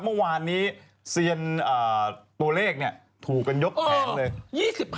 เมื่อวานนี้เซียนตัวเลขถูกกันยกแผงเลย